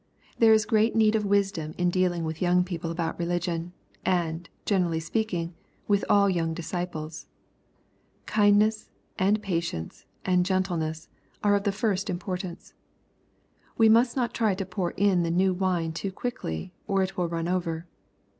There is great need ] of wisdom in dealing with young people about religion, \ and, generally speaking, with all young disciples. Kind \^ ness, and patience, and gentleness, are of the first importance. We must not try to poui in the new wine 1 too quickly, or it will run over.